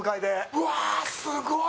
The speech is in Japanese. うわ、すごい！